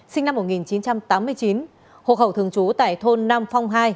sinh năm một nghìn chín trăm tám mươi chín hộ khẩu thường trú tại thôn nam phong hai